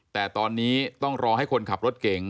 แต่ตอนนี้ต้องรอให้คนขับรถเก่ง